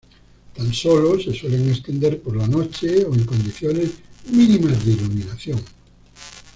Tan sólo se suelen extender por la noche o en condiciones mínimas de iluminación.